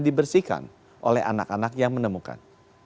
dibersihkan oleh anak anak yang menemukan